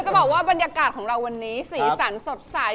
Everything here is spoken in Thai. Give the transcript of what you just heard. จะบอกว่าบรรยากาศของเราวันนี้สีสันสดใส